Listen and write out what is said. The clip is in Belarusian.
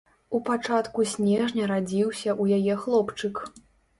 У пачатку снежня радзіўся ў яе хлопчык.